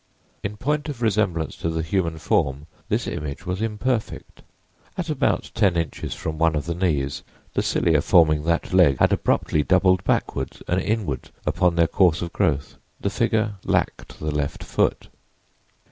In point of resemblance to the human form this image was imperfect. At about ten inches from one of the knees, the cilia forming that leg had abruptly doubled backward and inward upon their course of growth. The figure lacked the left foot.